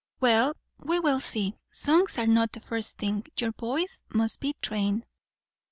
"Well, we will see. Songs are not the first thing; your voice must be trained."